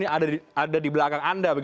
yang ada di belakang anda